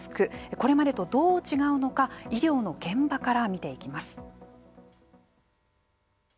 これまでとどう違うのか医療の現場から見ていきます。